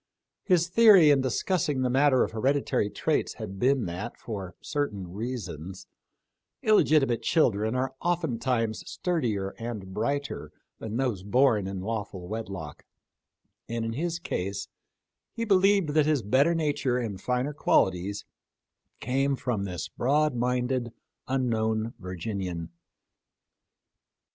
His theory in discussing the matter of hereditary traits had been, that, for certain reasons, illegitimate children are oftentimes sturdier and brighter than those born in lawful wedlock ; and in his case, he believed that his better nature and finer qualities came from this broad minded, unknown Virginian.